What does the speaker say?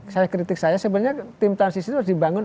saya kritik saya sebenarnya tim transisi itu harus dibangun